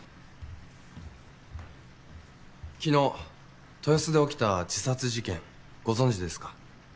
昨日豊洲で起きた自殺事件ご存じですか？